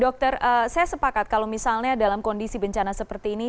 dokter saya sepakat kalau misalnya dalam kondisi bencana seperti ini